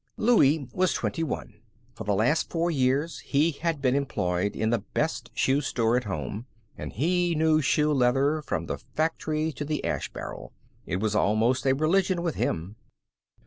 Louie was twenty one. For the last four years he had been employed in the best shoe store at home, and he knew shoe leather from the factory to the ash barrel. It was almost a religion with him.